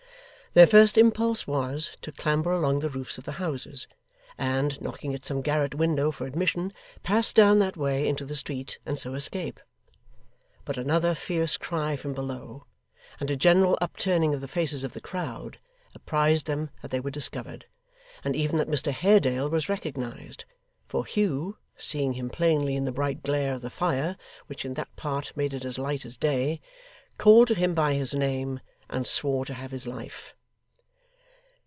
Their first impulse was, to clamber along the roofs of the houses, and, knocking at some garret window for admission, pass down that way into the street, and so escape. But another fierce cry from below, and a general upturning of the faces of the crowd, apprised them that they were discovered, and even that Mr Haredale was recognised; for Hugh, seeing him plainly in the bright glare of the fire, which in that part made it as light as day, called to him by his name, and swore to have his life.